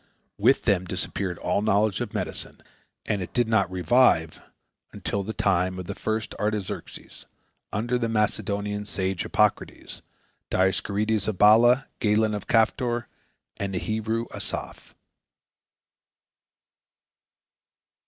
With them disappeared all knowledge of medicine, and it did not revive until the time of the first Artaxerxes, under the Macedonian sage Hippocrates, Dioscorides of Baala, Galen of Caphtor, and the Hebrew Asaph.